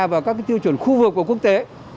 và các tiêu chuẩn khu vực của quốc tế